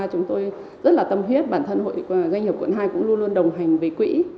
chúng tôi rất là tâm huyết bản thân hội doanh nghiệp quận hai cũng luôn luôn đồng hành với quỹ